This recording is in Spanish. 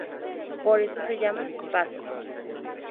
Por eso se llaman "pasos".